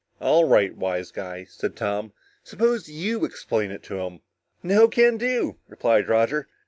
"All right, wise guy," said Tom, "suppose you explain it to him!" "No can do," replied Roger.